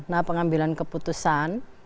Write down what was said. nah pengambilan keputusan